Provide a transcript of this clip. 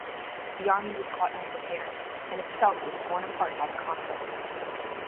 The Army was caught unprepared, and itself was torn apart by the conflict.